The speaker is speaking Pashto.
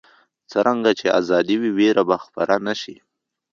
څرنګه چې ازادي وي، ویره به خپره نه شي.